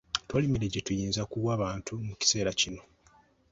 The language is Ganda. Tewali mmere gye tuyinza kuwa bantu mu kiseera kino.